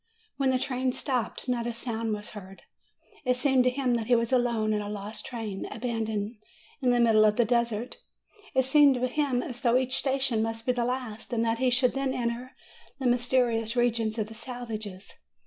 When the train stopped not a sound was heard; it seemed to him that he was alone in a lost train, abandoned in the middle of a desert. It seemed to him as though each station must be the last, and that he should then enter the mysterious regions of the savages.